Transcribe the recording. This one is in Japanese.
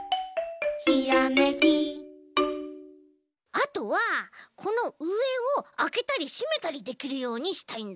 あとはこのうえをあけたりしめたりできるようにしたいんだよね。